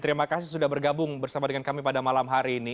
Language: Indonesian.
terima kasih sudah bergabung bersama dengan kami pada malam hari ini